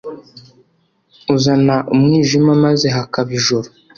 Uzana umwijima maze hakaba ijoro